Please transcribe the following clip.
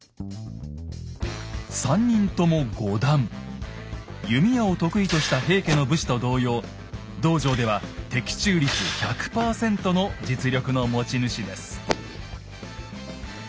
３人とも五段弓矢を得意とした平家の武士と同様道場では的中率１００％の実力の持ち主です。